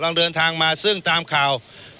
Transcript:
เดินทางมาซึ่งตามข่าว